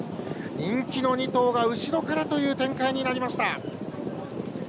人気の２頭が後ろからという展開になりました。